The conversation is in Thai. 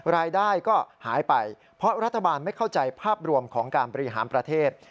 รายได้ก็หายไปเพราะรัฐบาลไม่เข้าใจภาพรวมของการบริหารประเทศ